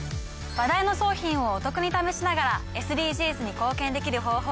話題の商品をお得に試しながらＳＤＧｓに貢献できる方法